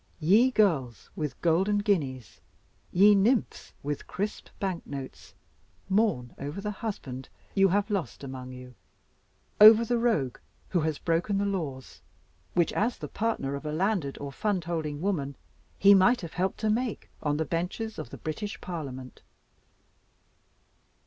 Ye girls with golden guineas, ye nymphs with crisp bank notes, mourn over the husband you have lost among you over the Rogue who has broken the laws which, as the partner of a landed or fund holding woman, he might have helped to make on the benches of the British Parliament!